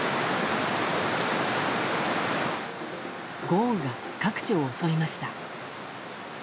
豪雨が各地を襲いました。